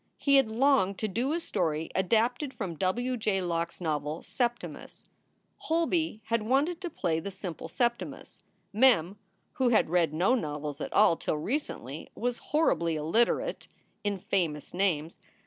He had longed to do a story adapted from W. J. Locke s novel Septimus. Holby had wanted to play the simple Septimus. Mem, who had read no novels at all till recently, was horribly illiter ate in famous names.